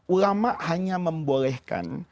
ulama hanya membolehkan